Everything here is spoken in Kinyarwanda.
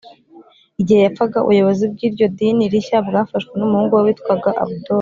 igihe yapfaga, ubuyobozi bw’iryo dini rishya bwafashwe n’umuhungu we witwaga ʽabdol